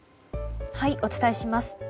お伝えします。